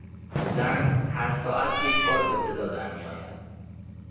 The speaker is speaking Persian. زنگ هر ساعت یکبار به صدا در میآید.